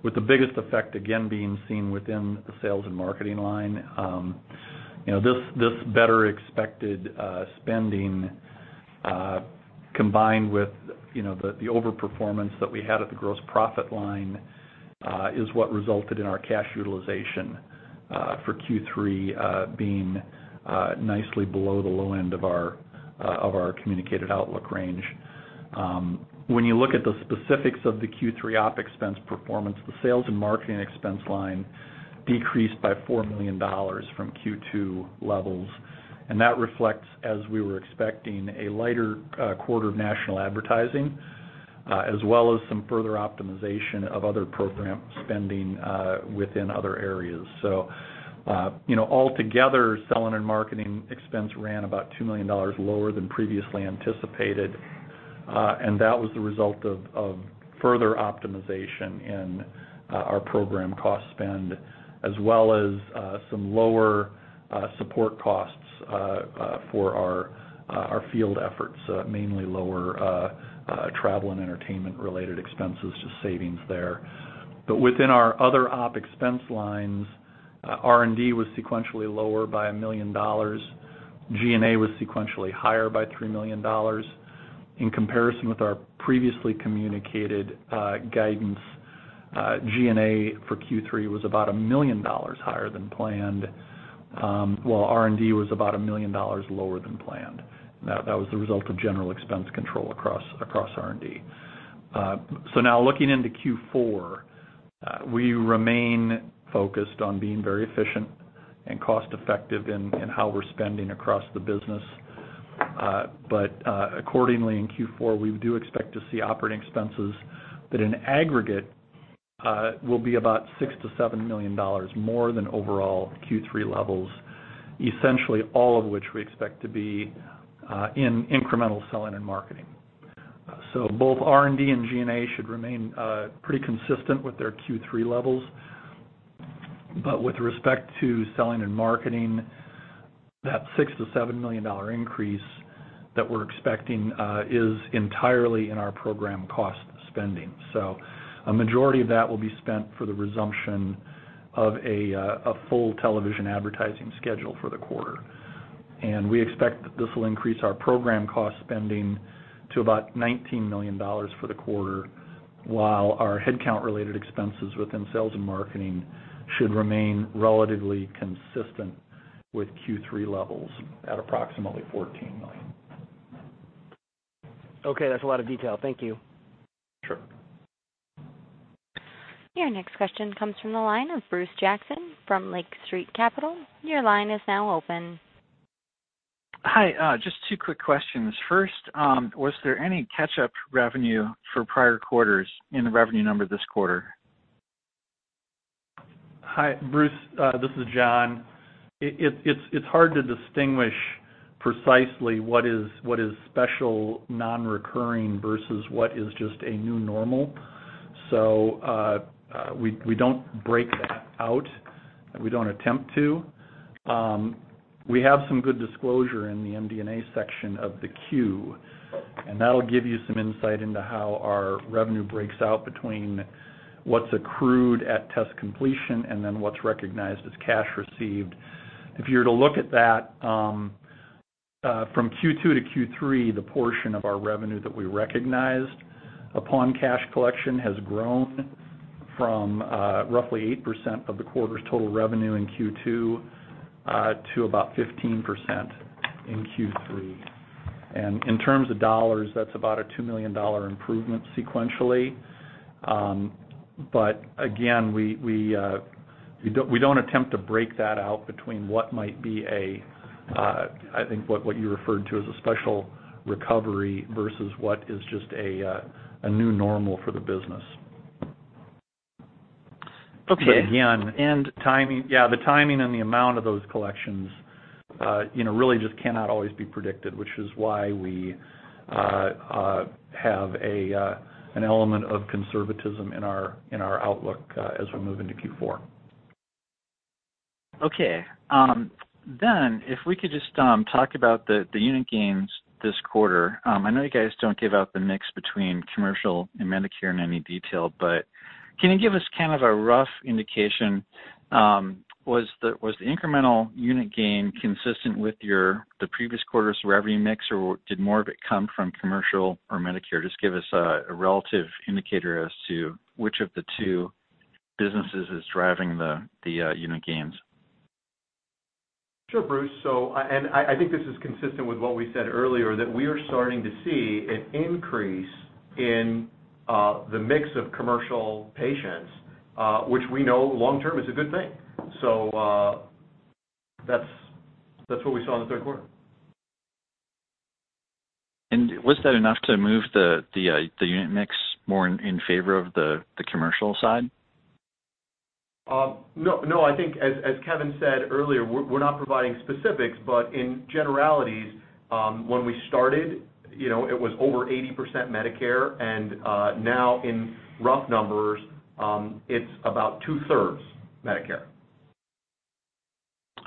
with the biggest effect, again, being seen within the sales and marketing line. This better expected spending, combined with the overperformance that we had at the gross profit line, is what resulted in our cash utilization for Q3 being nicely below the low end of our communicated outlook range. When you look at the specifics of the Q3 OpEx spend performance, the sales and marketing expense line decreased by $4 million from Q2 levels. And that reflects, as we were expecting, a lighter quarter of national advertising, as well as some further optimization of other program spending within other areas. So altogether, selling and marketing expense ran about $2 million lower than previously anticipated. And that was the result of further optimization in our program cost spend, as well as some lower support costs for our field efforts, mainly lower travel and entertainment-related expenses, just savings there. But within our other OpEx spend lines, R&D was sequentially lower by $1 million. G&A was sequentially higher by $3 million. In comparison with our previously communicated guidance, G&A for Q3 was about $1 million higher than planned, while R&D was about $1 million lower than planned. That was the result of general expense control across R&D. So now looking into Q4, we remain focused on being very efficient and cost-effective in how we're spending across the business. But accordingly, in Q4, we do expect to see operating expenses that, in aggregate, will be about $6 to $7 million more than overall Q3 levels, essentially all of which we expect to be in incremental selling and marketing. So both R&D and G&A should remain pretty consistent with their Q3 levels. But with respect to selling and marketing, that $6 to $7 million increase that we're expecting is entirely in our program cost spending. So a majority of that will be spent for the resumption of a full television advertising schedule for the quarter. And we expect that this will increase our program cost spending to about $19 million for the quarter, while our headcount-related expenses within sales and marketing should remain relatively consistent with Q3 levels at approximately $14 million. Okay. That's a lot of detail. Thank you. Sure. Your next question comes from the line of Bruce Jackson from Lake Street Capital. Your line is now open. Hi. Just two quick questions. First, was there any catch-up revenue for prior quarters in the revenue number this quarter? Hi, Bruce. This is John. It's hard to distinguish precisely what is special, non-recurring, versus what is just a new normal. So we don't break that out. We don't attempt to. We have some good disclosure in the MD&A section of the Q, and that'll give you some insight into how our revenue breaks out between what's accrued at test completion and then what's recognized as cash received. If you were to look at that, from Q2 to Q3, the portion of our revenue that we recognized upon cash collection has grown from roughly 8% of the quarter's total revenue in Q2 to about 15% in Q3. And in terms of dollars, that's about a $2 million improvement sequentially. But again, we don't attempt to break that out between what might be a, I think, what you referred to as a special recovery versus what is just a new normal for the business. Okay. But again. And timing. Yeah. The timing and the amount of those collections really just cannot always be predicted, which is why we have an element of conservatism in our outlook as we move into Q4. Okay. Then, if we could just talk about the unit gains this quarter. I know you guys don't give out the mix between commercial and Medicare in any detail, but can you give us kind of a rough indication? Was the incremental unit gain consistent with the previous quarter's revenue mix, or did more of it come from commercial or Medicare? Just give us a relative indicator as to which of the two businesses is driving the unit gains. Sure, Bruce. And I think this is consistent with what we said earlier, that we are starting to see an increase in the mix of commercial patients, which we know long-term is a good thing. So that's what we saw in the third quarter. Was that enough to move the unit mix more in favor of the commercial side? No. I think, as Kevin said earlier, we're not providing specifics, but in generalities, when we started, it was over 80% Medicare. And now, in rough numbers, it's about two-thirds Medicare.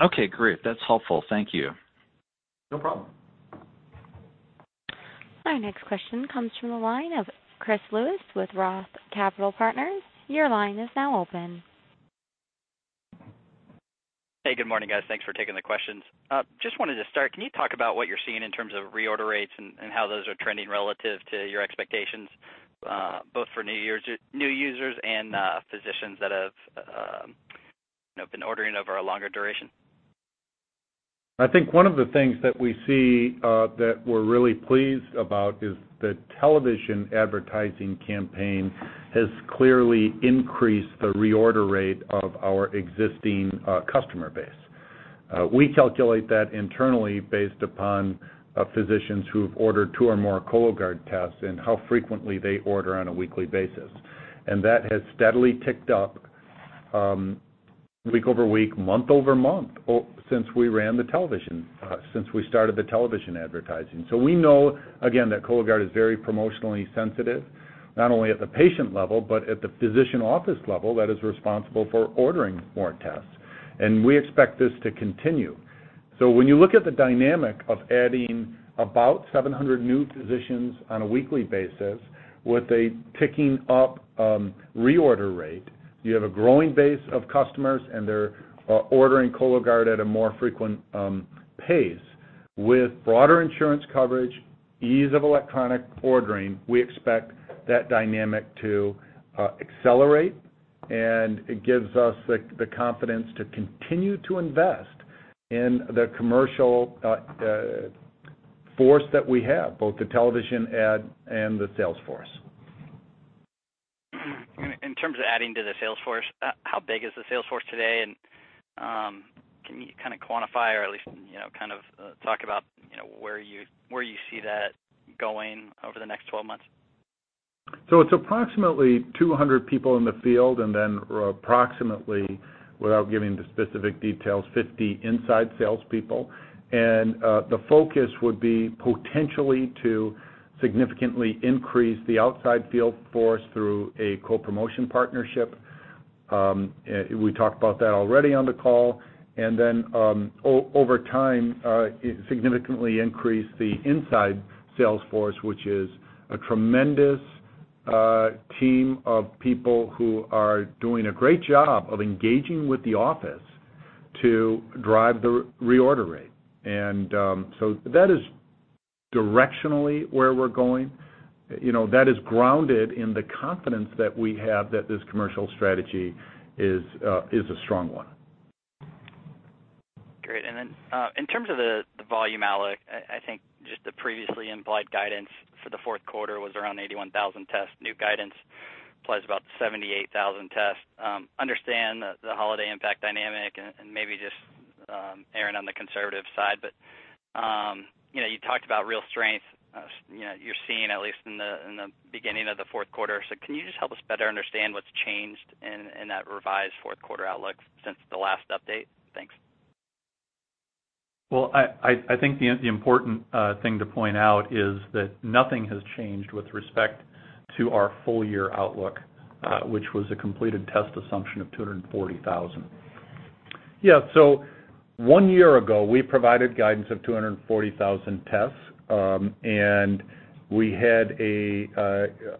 Okay. Great. That's helpful. Thank you. No problem. Our next question comes from the line of Chris Lewis with Roth Capital Partners. Your line is now open. Hey. Good morning, guys. Thanks for taking the questions. Just wanted to start, can you talk about what you're seeing in terms of reorder rates and how those are trending relative to your expectations, both for new users and physicians that have been ordering over a longer duration? I think one of the things that we see that we're really pleased about is the television advertising campaign has clearly increased the reorder rate of our existing customer base. We calculate that internally based upon physicians who've ordered two or more Cologuard tests and how frequently they order on a weekly basis. That has steadily ticked up week over week, month over month since we ran the television, since we started the television advertising. So we know, again, that Cologuard is very promotionally sensitive, not only at the patient level but at the physician office level that is responsible for ordering more tests. We expect this to continue. So when you look at the dynamic of adding about 700 new physicians on a weekly basis with a ticking-up reorder rate, you have a growing base of customers, and they're ordering Cologuard at a more frequent pace. With broader insurance coverage, ease of electronic ordering, we expect that dynamic to accelerate, and it gives us the confidence to continue to invest in the commercial force that we have, both the television ad and the sales force. In terms of adding to the sales force, how big is the sales force today, and can you kind of quantify or at least kind of talk about where you see that going over the next 12 months? So it's approximately 200 people in the field and then approximately, without giving the specific details, 50 inside salespeople. And the focus would be potentially to significantly increase the outside field force through a co-promotion partnership. We talked about that already on the call. And then, over time, significantly increase the inside sales force, which is a tremendous team of people who are doing a great job of engaging with the office to drive the reorder rate. And so that is directionally where we're going. That is grounded in the confidence that we have that this commercial strategy is a strong one. Great. And then in terms of the volume, Alex, I think just the previously implied guidance for the fourth quarter was around 81,000 tests. New guidance plus about 78,000 tests. Understand the holiday impact dynamic and maybe just err on the conservative side. But you talked about real strength you're seeing, at least in the beginning of the fourth quarter. So can you just help us better understand what's changed in that revised fourth quarter outlook since the last update? Thanks. Well, I think the important thing to point out is that nothing has changed with respect to our full-year outlook, which was a completed test assumption of 240,000. Yeah. So one year ago, we provided guidance of 240,000 tests, and we had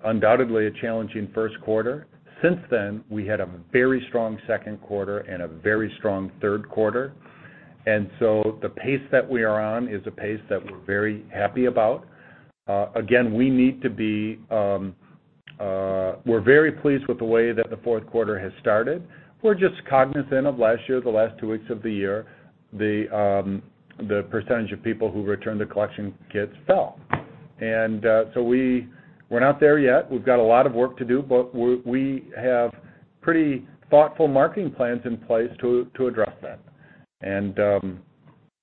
undoubtedly a challenging first quarter. Since then, we had a very strong second quarter and a very strong third quarter. And so the pace that we are on is a pace that we're very happy about. Again, we need to be we're very pleased with the way that the fourth quarter has started. We're just cognizant of last year, the last two weeks of the year. The percentage of people who returned the collection kits fell. And so we're not there yet. We've got a lot of work to do, but we have pretty thoughtful marketing plans in place to address that. And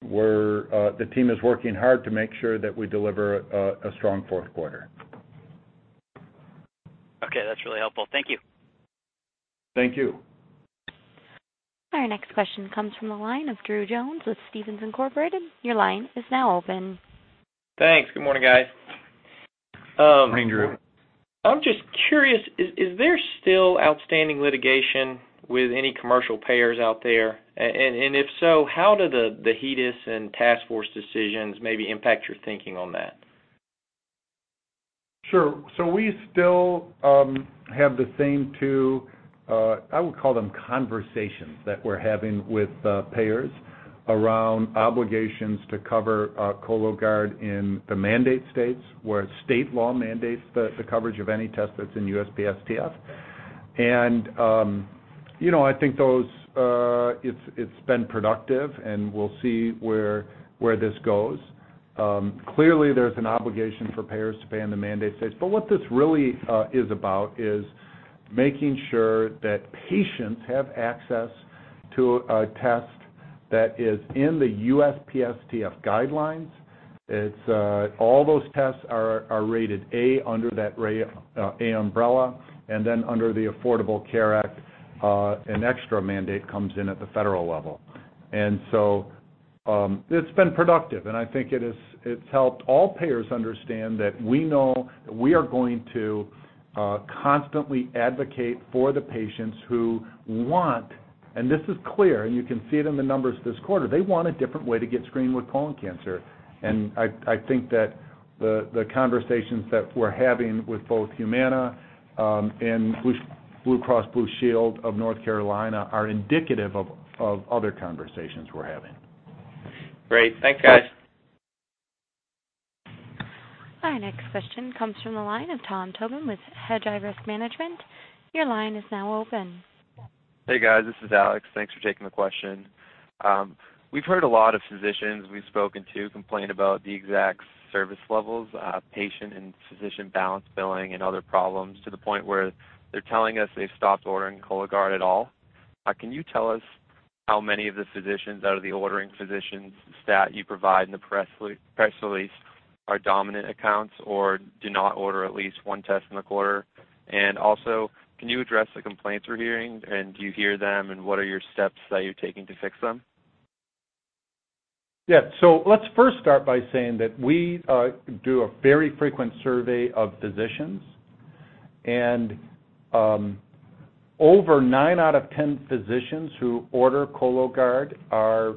the team is working hard to make sure that we deliver a strong fourth quarter. Okay. That's really helpful. Thank you. Thank you. Our next question comes from the line of Drew Jones with Stephens Incorporated. Your line is now open. Thanks. Good morning, guys. Good morning, Drew. I'm just curious, is there still outstanding litigation with any commercial payers out there? And if so, how do the HEDIS and task force decisions maybe impact your thinking on that? Sure. So we still have the same two, I would call them, conversations that we're having with payers around obligations to cover Cologuard in the mandate states where state law mandates the coverage of any test that's in USPSTF. And I think it's been productive, and we'll see where this goes. Clearly, there's an obligation for payers to pay in the mandate states. But what this really is about is making sure that patients have access to a test that is in the USPSTF guidelines. All those tests are rated A under that A umbrella. And then under the Affordable Care Act, an extra mandate comes in at the federal level. And so it's been productive, and I think it's helped all payers understand that we know we are going to constantly advocate for the patients who want—and this is clear, and you can see it in the numbers this quarter—they want a different way to get screened with colon cancer. And I think that the conversations that we're having with both Humana and Blue Cross Blue Shield of North Carolina are indicative of other conversations we're having. Great. Thanks, guys. Our next question comes from the line of Thom Tobin with HEDGEYE RISK MANAGEMENT. Your line is now open. Hey, guys. This is Alex. Thanks for taking the question. We've heard a lot of physicians we've spoken to complain about the exact service levels, patient and physician balance billing, and other problems to the point where they're telling us they've stopped ordering Cologuard at all. Can you tell us how many of the physicians out of the ordering physicians' stat you provide in the press release are dominant accounts or do not order at least one test in the quarter? And also, can you address the complaints we're hearing? And do you hear them? And what are your steps that you're taking to fix them? Yeah. So let's first start by saying that we do a very frequent survey of physicians. And over 9 out of 10 physicians who order Cologuard are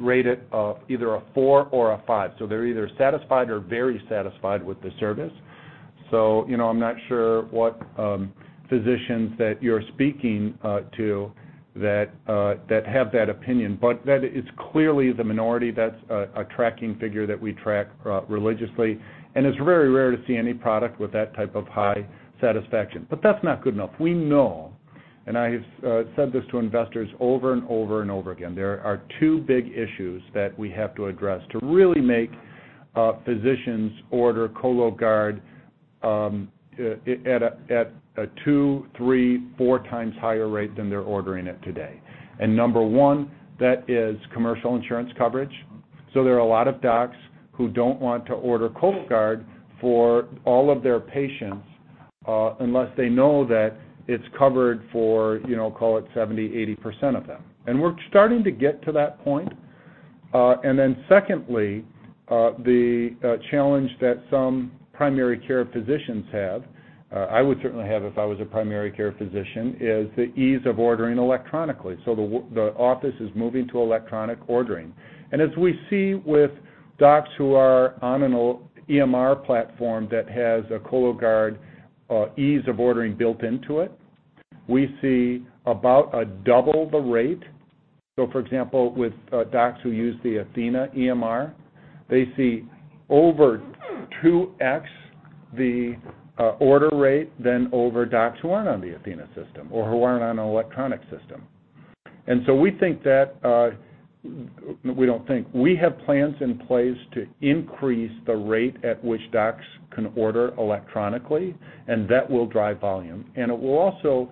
rated either a 4 or a 5. So they're either satisfied or very satisfied with the service. So I'm not sure what physicians that you're speaking to that have that opinion. But that is clearly the minority. That's a tracking figure that we track religiously. And it's very rare to see any product with that type of high satisfaction. But that's not good enough. We know—and I have said this to investors over and over and over again—there are two big issues that we have to address to really make physicians order Cologuard at a 2, 3, 4 times higher rate than they're ordering it today. And number one, that is commercial insurance coverage. So there are a lot of docs who don't want to order Cologuard for all of their patients unless they know that it's covered for, call it, 70, 80 percent of them. And we're starting to get to that point. And then secondly, the challenge that some primary care physicians have—I would certainly have if I was a primary care physician—is the ease of ordering electronically. So the office is moving to electronic ordering. And as we see with docs who are on an EMR platform that has a Cologuard ease of ordering built into it, we see about a double the rate. So for example, with docs who use the Athena EMR, they see over 2X the order rate than over docs who aren't on the Athena system or who aren't on an electronic system. And so we think that—we don't think—we have plans in place to increase the rate at which docs can order electronically, and that will drive volume. And it will also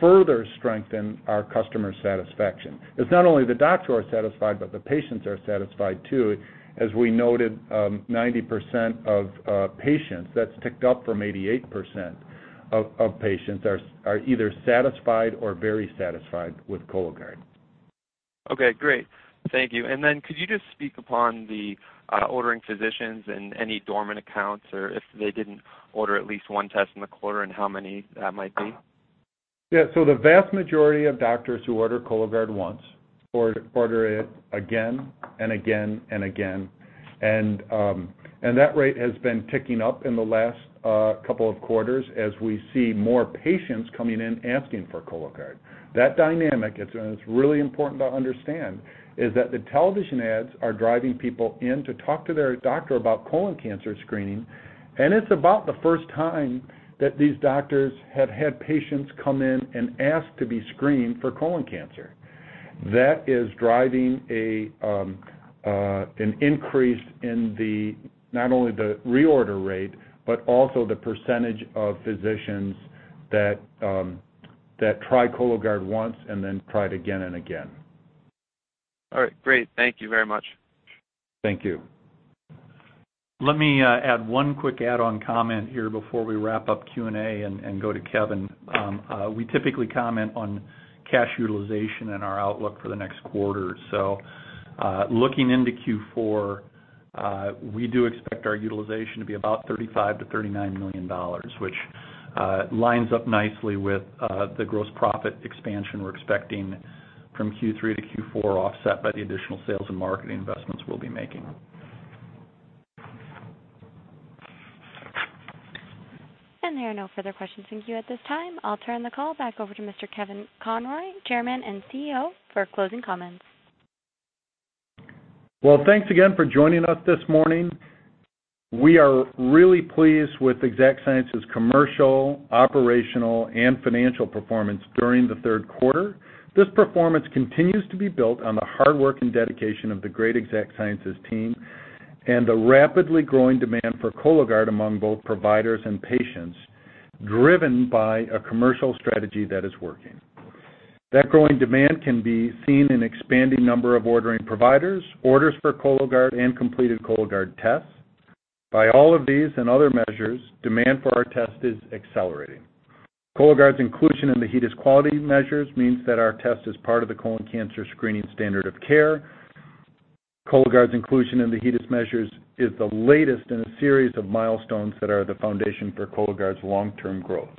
further strengthen our customer satisfaction. It's not only the docs who are satisfied, but the patients are satisfied too. As we noted, 90% of patients—that's ticked up from 88% of patients—are either satisfied or very satisfied with Cologuard. Okay. Great. Thank you. And then could you just speak upon the ordering physicians and any dormant accounts or if they didn't order at least one test in the quarter and how many that might be? Yeah. So the vast majority of doctors who order Cologuard once order it again and again and again. And that rate has been ticking up in the last couple of quarters as we see more patients coming in asking for Cologuard. That dynamic—and it's really important to understand—is that the television ads are driving people in to talk to their doctor about colon cancer screening. And it's about the first time that these doctors have had patients come in and ask to be screened for colon cancer. That is driving an increase in not only the reorder rate but also the percentage of physicians that try Cologuard once and then try it again and again. All right. Great. Thank you very much. Thank you. Let me add one quick add-on comment here before we wrap up Q&A and go to Kevin. We typically comment on cash utilization in our outlook for the next quarter. So looking into Q4, we do expect our utilization to be about 35 to 39 million dollars, which lines up nicely with the gross profit expansion we're expecting from Q3 to Q4 offset by the additional sales and marketing investments we'll be making. And there are no further questions from you at this time. I'll turn the call back over to Mr. Kevin Conroy, Chairman and CEO, for closing comments. Well, thanks again for joining us this morning. We are really pleased with Exact Sciences' commercial, operational, and financial performance during the third quarter. This performance continues to be built on the hard work and dedication of the great Exact Sciences team and the rapidly growing demand for Cologuard among both providers and patients, driven by a commercial strategy that is working. That growing demand can be seen in an expanding number of ordering providers, orders for Cologuard, and completed Cologuard tests. By all of these and other measures, demand for our test is accelerating. Cologuard's inclusion in the HEDIS quality measures means that our test is part of the colon cancer screening standard of care. Cologuard's inclusion in the HEDIS measures is the latest in a series of milestones that are the foundation for Cologuard's long-term growth.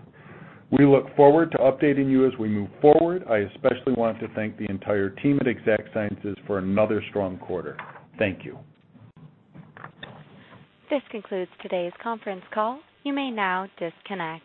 We look forward to updating you as we move forward. I especially want to thank the entire team at Exact Sciences for another strong quarter. Thank you. This concludes today's conference call. You may now disconnect.